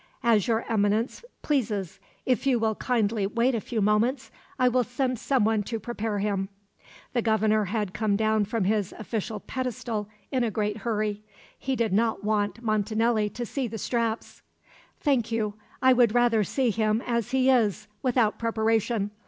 "As Your Eminence pleases. If you will kindly wait a few moments, I will send someone to prepare him." The Governor had come down from his official pedestal in a great hurry. He did not want Montanelli to see the straps. "Thank you; I would rather see him as he is, without preparation.